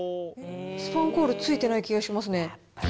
スパンコールついてない気がしますね。